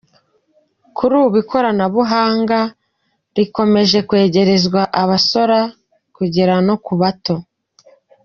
Kuri ubu ikoranabuhanga rikomeje kwegerezwa abasora kugera no ku bato.